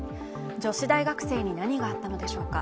女子大生に何があったのでしょうか。